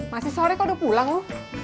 masih sore kok udah pulang loh